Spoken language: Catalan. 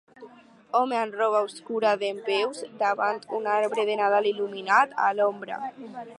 Home amb roba obscura dempeus davant un arbre de Nadal il·luminat, a l'ombra.